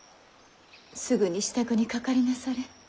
すぐに支度にかかりなされ。